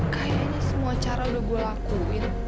kayaknya semua cara udah gue lakuin